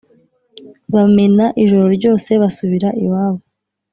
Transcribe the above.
bamena ijoro ryose basubira iwabo